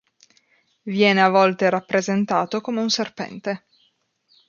Viene a volte rappresentato come un serpente.